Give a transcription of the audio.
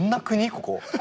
ここ。